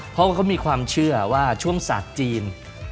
เพราะมีความเชื่อว่าช่วงสัจจีน